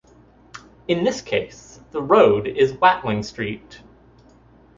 In this case the road is Watling Street.